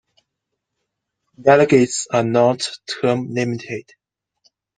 Delegates are not term-limited.